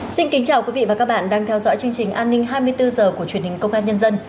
xin kính chào quý vị và các bạn đang theo dõi chương trình an ninh hai mươi bốn h của truyền hình công an nhân dân